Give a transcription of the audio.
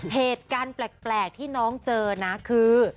เหตุการณ์แปลกที่น้องเจอนะคือ